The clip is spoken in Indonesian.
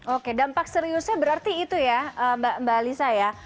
oke dampak seriusnya berarti itu ya mbak alisa ya